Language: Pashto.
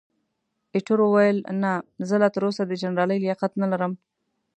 ایټور وویل، نه، زه لا تراوسه د جنرالۍ لیاقت نه لرم.